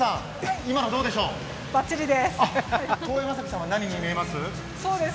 ばっちりです。